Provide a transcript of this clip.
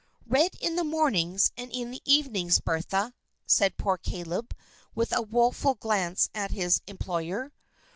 "Red in the mornings and in the evenings, Bertha," said poor Caleb, with a woeful glance at his employer.